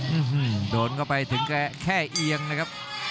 อื้อฮือโดนก็ไปถึงแค่เองนะครับ